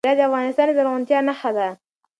هرات د افغانستان د زرغونتیا نښه ده.